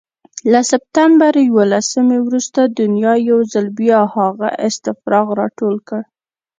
له سپتمبر یوولسمې وروسته دنیا یو ځل بیا هماغه استفراق راټول کړ.